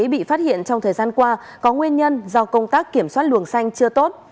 bị phát hiện trong thời gian qua có nguyên nhân do công tác kiểm soát luồng xanh chưa tốt